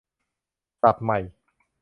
ศัพท์ใหม่